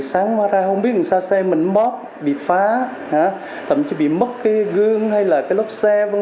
sáng hóa ra không biết làm sao xe mình móc bị phá hả thậm chí bị mất cái gương hay là cái lốc xe vân